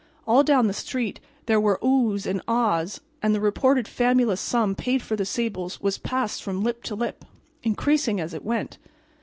All down the street there were "Oh's" and "Ah's" and the reported fabulous sum paid for the sables was passed from lip to lip, increasing as it went.